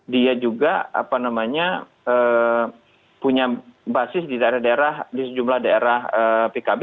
dia juga punya basis di sejumlah daerah pkb